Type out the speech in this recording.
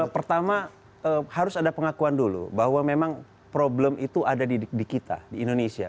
pertama harus ada pengakuan dulu bahwa memang problem itu ada di kita di indonesia